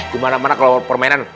dimana mana kalau permainan